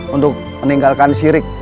untuk meninggalkan sirik